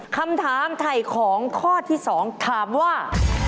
คำถามไถ่ของข้อที่๒ถามว่า